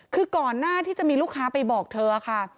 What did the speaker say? คือก่อนหน้าที่จะมีลูกค้าไปบอกเธอค่ะ